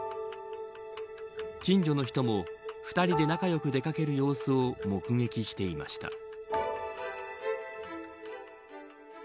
近所の人も２人で仲良く出掛ける様子を目撃していました。